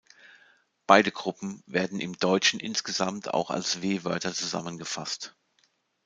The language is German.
Beide Gruppen werden im Deutschen insgesamt auch als „W-Wörter“ zusammengefasst.